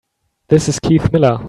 This is Keith Miller.